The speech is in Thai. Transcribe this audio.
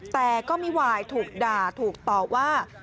แต่ก็ไม่วายถูกด่าถูกต่อว่า